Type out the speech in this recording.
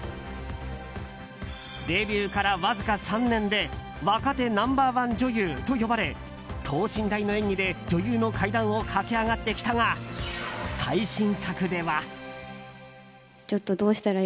デビューからわずか３年で若手ナンバー１女優と呼ばれ等身大の演技で女優の階段を駆け上がってきたが最新作では。